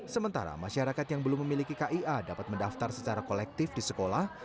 sementara masyarakat yang belum memiliki kia dapat mendaftar secara kolektif di sekolah